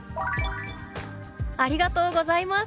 「ありがとうございます。